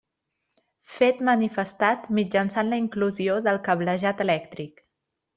Fet manifestat mitjançant la inclusió del cablejat elèctric.